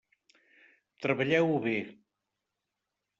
Treballeu-ho bé.